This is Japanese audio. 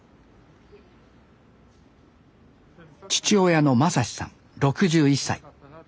父親の正志さん６１歳。